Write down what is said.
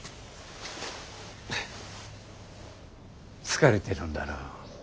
疲れてるんだろ？